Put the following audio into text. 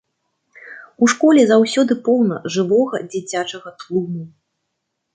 У школе заўсёды поўна жывога дзіцячага тлуму.